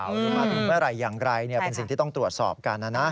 หรือมาถึงเมื่อไหร่อย่างไรเป็นสิ่งที่ต้องตรวจสอบกันนะนะ